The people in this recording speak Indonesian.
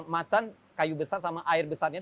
macan kayu besar sama air besarnya